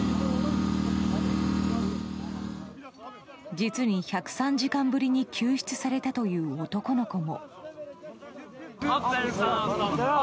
実に１０３時間ぶりに救出されたという男の子も。